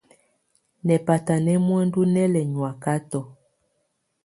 Nɛ́ batá nɛ́ muǝndú nɛ́ lɛ nyɔ̀ákatɔ.